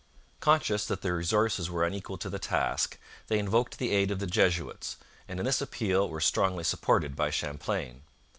Conscious that their resources were unequal to the task, they invoked the aid of the Jesuits, and in this appeal were strongly supported by Champlain.